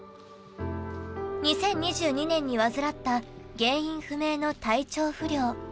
２０２２年に患った原因不明の体調不良。